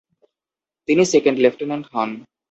তিনি second lieutenant হন।